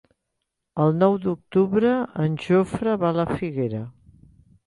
El nou d'octubre en Jofre va a la Figuera.